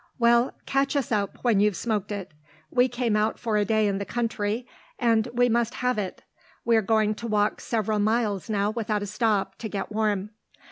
"Well, catch us up when you've smoked it. We came out for a day in the country, and we must have it. We're going to walk several miles now without a stop, to get warm."